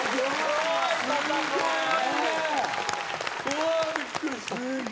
うわびっくりした。